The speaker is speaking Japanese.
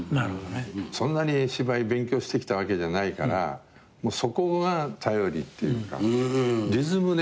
そんなに芝居勉強してきたわけじゃないからもうそこが頼りっていうかリズムで物をはかるみたいな。